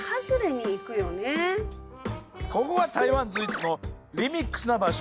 ここが台湾随一のリミックスな場所。